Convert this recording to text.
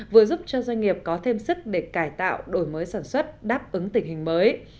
vừa giúp cho doanh nghiệp có thêm sức để cải tạo đổi mới sản xuất đáp ứng tình hình mới